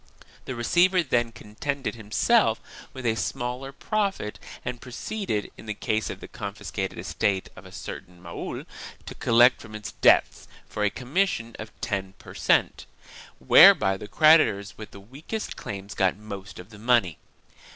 The receiver then contented himself with a smaller profit and proceeded, in the case of the confiscated estate of a certain Mahul, to collect from it debts for a commission of ten per cent., whereby the creditors with the weakest claims got most of the money.